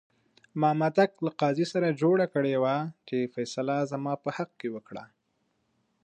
مامدک له قاضي سره جوړه کړې وه چې فیصله زما په حق کې وکړه.